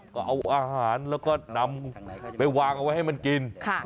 ก็เอาอาหารแล้วก็นำไปวางเอาไว้ให้มันกิน